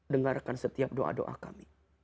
dengarkan setiap doa doa kami